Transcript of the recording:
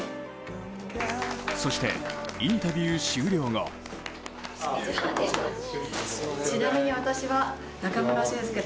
そしてインタビュー終了後あざーす。